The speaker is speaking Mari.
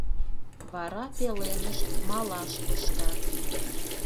Вара пеленышт малаш пыштат.